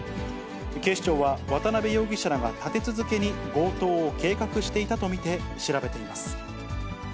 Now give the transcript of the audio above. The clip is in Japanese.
警視庁は渡辺容疑者らが立て続けに強盗を計画していたと見て調べています。